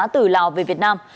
từ lào về việt nam